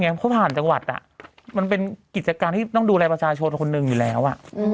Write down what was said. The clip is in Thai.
เพราะผ่านจังหวัดมันเป็นกิจการที่ต้องดูแลประชาชนคนหนึ่งอยู่แล้ว